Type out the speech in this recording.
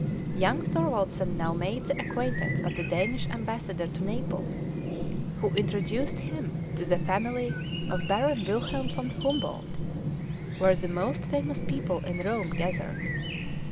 Young Thorwaldsen now made the acquaintance of the Danish ambassador to Naples, who introduced him to the family of Baron Wilhelm von Humboldt, where the most famous people in Rome gathered.